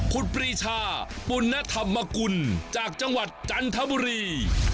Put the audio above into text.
คุณปรีชาปุณธรรมกุลจากจังหวัดจันทบุรี